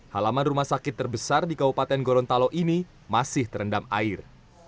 halaman rumah sakit terbesar di kabupaten gorontalo ini masih terendam air